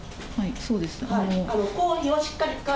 そうです。